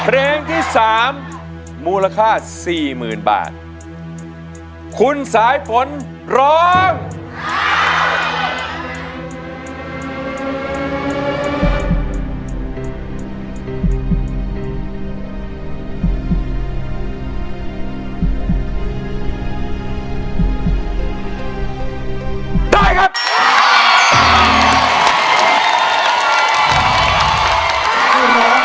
ร้องได้ร้องได้ร้องได้ร้องได้ร้องได้ร้องได้ร้องได้ร้องได้ร้องได้